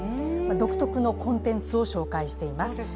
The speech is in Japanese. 独特のコンテンツを紹介しています。